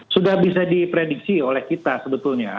sudah bisa diprediksi oleh kita sebetulnya